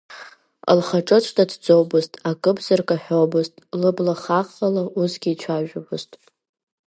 Лхаҿы ҿнаҭӡомызт, акымзарак аҳәомызт, лыбла хаӷӷала усгьы ицәажәомызт.